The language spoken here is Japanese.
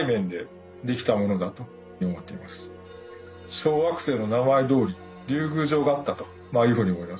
小惑星の名前どおり竜宮城があったというふうに思います。